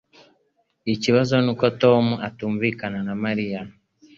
Ikibazo nuko Tom atumvikana na Mariya